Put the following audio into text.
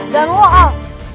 dan lu al